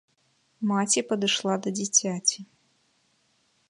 Маці падышла да дзіцяці.